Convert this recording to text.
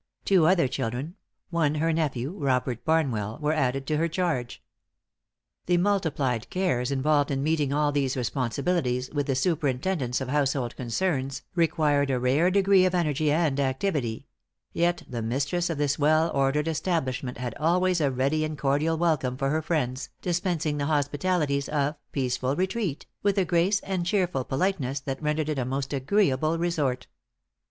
Two other children one her nephew, Robert Barnwell were added to her charge. The multiplied cares involved in meeting all these responsibilities, with the superintendence of household concerns, required a rare degree of energy and activity; yet the mistress of this well ordered establishment had always a ready and cordial welcome for her friends, dispensing the hospitalities of "Peaceful Retreat," with a grace and cheerful politeness that rendered it a most agreeable resort.